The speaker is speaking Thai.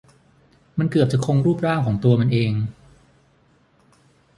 มันเกือบจะคงรูปร่างของตัวมันเอง